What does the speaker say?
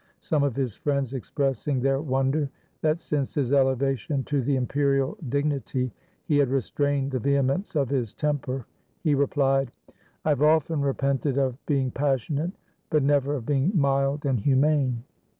Some of his friends expressing their wonder that since his elevation to the imperial dignity he had restrained the vehemence of his temper, he replied, "I have often repented of be ing passionate, but never of being mild and humane."